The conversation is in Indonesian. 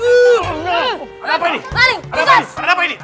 ada apa ini